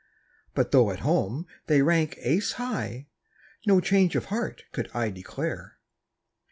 But though at home they rank ace high, No change of heart could I declare.